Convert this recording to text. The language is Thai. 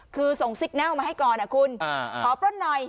คือส่งสิกเนลมาให้ก่อนขอปลดหน่อย